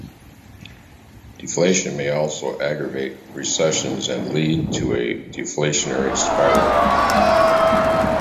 Deflation may also aggravate recessions and lead to a deflationary spiral.